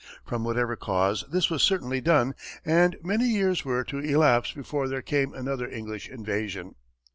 From whatever cause, this was certainly done, and many years were to elapse before there came another English invasion.